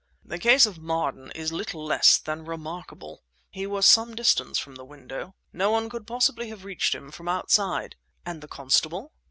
"The case of Marden is little less than remarkable; he was some distance from the window. No one could possibly have reached him from outside." "And the constable?"